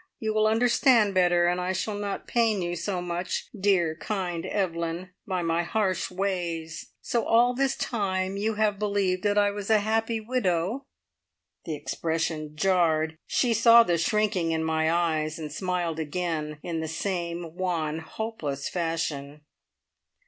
You will understand better, and I shall not pain you so much, dear, kind Evelyn, by my harsh ways. So all this time you have believed that I was a happy widow?" The expression jarred. She saw the shrinking in my eyes, and smiled again, in the same wan, hopeless fashion.